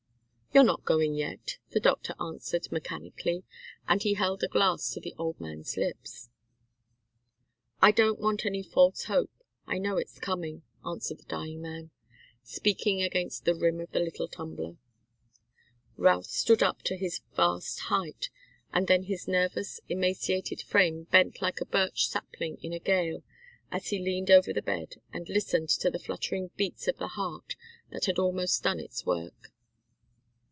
"You're not going yet," the doctor answered, mechanically, and he held a glass to the old man's lips. "I don't want any false hope. I know it's coming," answered the dying man, speaking against the rim of the little tumbler. Routh stood up to his vast height, and then his nervous, emaciated frame bent like a birch sapling in a gale as he leaned over the bed, and listened to the fluttering beats of the heart that had almost done its work.